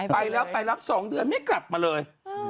ไปแล้วไปรับ๒เดือนไม่กลับมาเลย